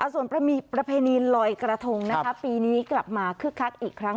ส่วนประเพณีลอยกระทงปีนี้กลับมาคึกคักอีกครั้ง